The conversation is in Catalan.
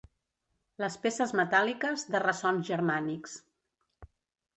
Les peces metàl·liques de ressons germànics.